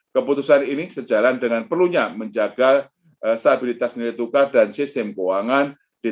keputusan ini sejalan dengan perlunya menjaga stabilitas nilai tukar dan sistem keuangan